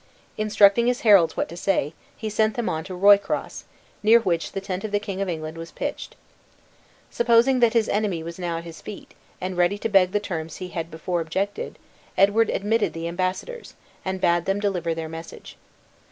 Instructing his heralds what to say, he sent them on to Roycross, near which the tent of the King of England was pitched. Supposing that his enemy was now at his feet, and ready to beg the terms he had before objected, Edward admitted the embassadors, and bade them deliver their message.